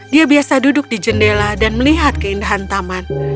raksasa duduk di jendela dan melihat keindahan taman